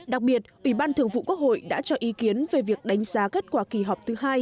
đặc biệt ủy ban thường vụ quốc hội đã cho ý kiến về việc đánh giá kết quả kỳ họp thứ hai